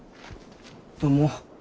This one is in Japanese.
どうも。